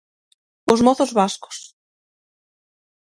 Os mozos vascos.